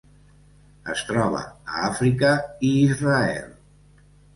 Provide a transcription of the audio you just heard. Es troba a Àfrica i Israel.